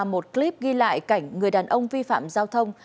một clip ghi lại cảnh người đàn ông vi phạm giao thông